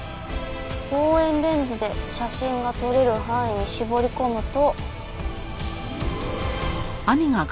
望遠レンズで写真が撮れる範囲に絞り込むと。